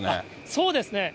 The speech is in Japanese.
そうですね。